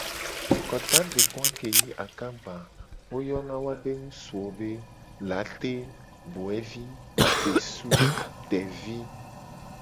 Kota ve go a ke nyi akagba a wo yona woabe ngusuwo be : late, boevi, fesu, tevi.